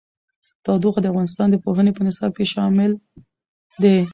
تودوخه د افغانستان د پوهنې په نصاب کې شامل دي.